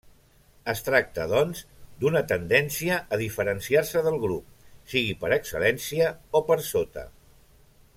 Es tracta, doncs, d'una tendència a diferenciar-se del grup, sigui per excel·lència o per sota.